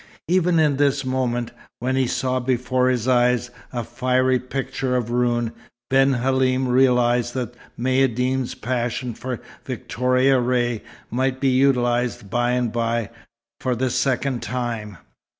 Even in this moment, when he saw before his eyes a fiery picture of ruin, Ben Halim realized that Maïeddine's passion for Victoria Ray might be utilized by and by, for the second time.